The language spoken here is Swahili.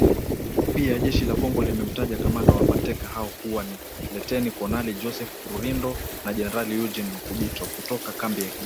Pia, jeshi la Kongo limemtaja kamanda wa mateka hao kuwa ni Luteni Kanali Joseph Rurindo na Generali Eugene Nkubito, kutoka kambi ya kijeshi